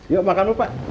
yuk makan lupa